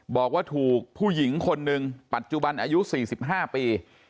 บอกว่าถูกผู้หญิงคนหนึ่งปัจจุบันอายุ๔๕ปี